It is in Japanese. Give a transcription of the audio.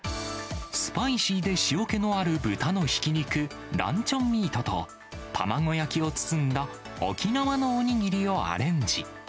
スパイシーで塩気のある豚のひき肉、ナンチョンミートと、卵焼きを包んだ沖縄のお握りをアレンジ。